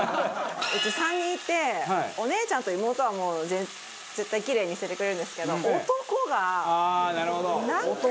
うち３人いてお姉ちゃんと妹はもう絶対キレイに捨ててくれるんですけど。